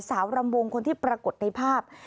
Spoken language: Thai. รำวงคนที่ปรากฏในภาพ